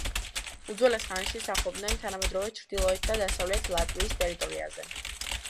უძველეს ხანაში სახლობდნენ თანამედროვე ჩრდილოეთ და დასავლეთ ლატვიის ტერიტორიაზე.